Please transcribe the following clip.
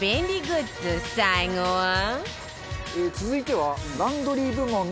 続いては。